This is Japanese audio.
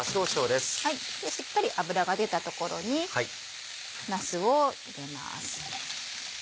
しっかり脂が出たところになすを入れます。